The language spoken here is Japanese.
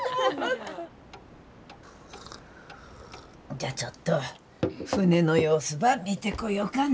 じゃあちょっと船の様子ば見てこようかね。